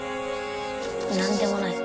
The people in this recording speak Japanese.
何でもない